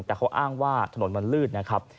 แต่เขาอ้างว่าถนนมันลืดนะครับ